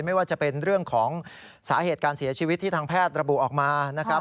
ไม่ว่าจะเป็นเรื่องของสาเหตุการเสียชีวิตที่ทางแพทย์ระบุออกมานะครับ